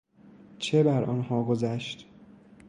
چه برآنها گذشت؟